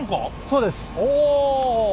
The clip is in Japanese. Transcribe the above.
そうです。